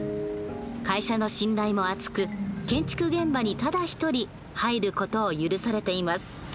会社の信頼も厚く建築現場にただ一人入る事を許されています。